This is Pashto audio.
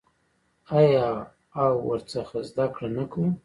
آیا او ورڅخه زده کړه نه کوو؟